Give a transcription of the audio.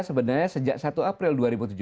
sebenarnya sejak satu april dua ribu tujuh belas